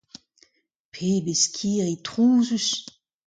Pebezh kirri trouzus !